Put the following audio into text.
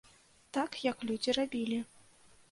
Так як людзі рабілі.